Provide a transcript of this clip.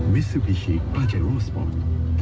วิสุพิธีอาจารย์โรสปอนด์